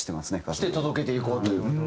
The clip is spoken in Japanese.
して届けていこうという？